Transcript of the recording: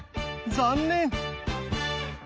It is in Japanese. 残念！